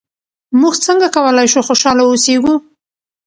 موږ څنګه کولای شو خوشحاله اوسېږو؟